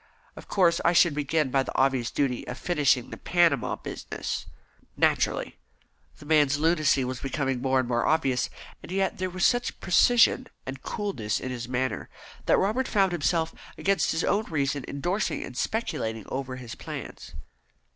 Of course, I should begin by the obvious duty of finishing the Panama business." "Naturally." The man's lunacy was becoming more and more obvious, and yet there was such precision and coolness in his manner, that Robert found himself against his own reason endorsing and speculating over his plans.